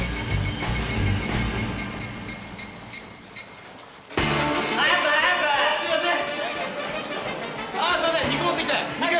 あっすいません。